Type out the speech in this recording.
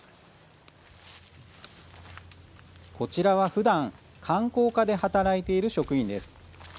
こちらは、ふだん観光課で働いている職員です。